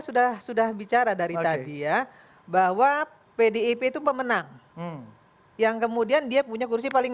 sudah sudah bicara dari tadi ya bahwa pdip itu pemenang yang kemudian dia punya kursi paling